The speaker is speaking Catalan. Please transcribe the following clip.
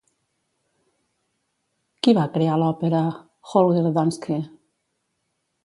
Qui va crear l'òpera Holger Danske?